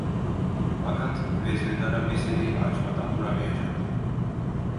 Fakat veznedara meseleyi açmadan duramayacaktı.